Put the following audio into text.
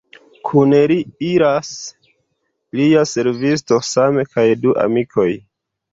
Kun li iras lia servisto Sam kaj du amikoj.